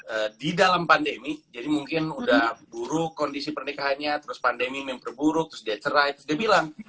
ee di dalam pandemi jadi mungkin udah buruk kondisi pernikahannya terus pandemi memperburuk terus dia cerai terus dia bilang